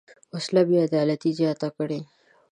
وسله بېعدالتي زیاته کړې